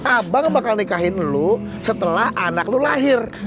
abang bakal nikahin lo setelah anak lo lahir